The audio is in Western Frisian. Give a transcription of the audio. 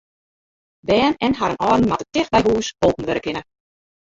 Bern en harren âlden moatte tichteby hús holpen wurde kinne.